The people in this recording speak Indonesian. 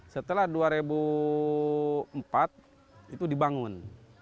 setelah dua ribu empat itu dibangun